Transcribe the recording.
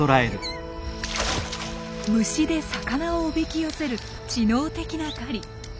虫で魚をおびき寄せる知能的な狩り。